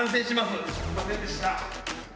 すいませんでした。